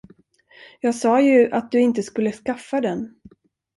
Jag sa ju att du inte skulle skaffa den.